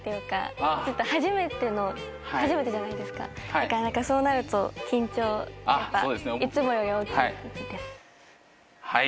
だからそうなると緊張やっぱいつもより大きいです。